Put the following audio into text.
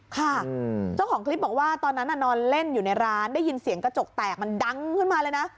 ค่ะเจ้าของคลิปบอกว่าตอนนั้นนอนเล่นอยู่ในร้านได้ยินเสียงกระจกแตกมันดังขึ้นมาเลยนะ